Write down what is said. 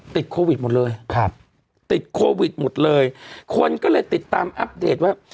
ติดโควิดหมดเลยครับติดโควิดหมดเลยคนก็เลยติดตามอัปเดตว่า